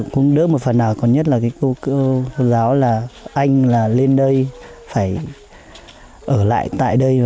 cũng đỡ một phần nào còn nhất là cái cô giáo là anh là lên đây phải ở lại tại đây